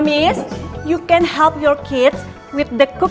kamu bisa bantu anak anak kamu dengan bahan masaknya